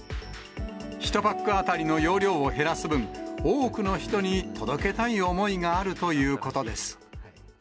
１パック当たりの容量を減らす分、多くの人に届けたい思いがあるということです。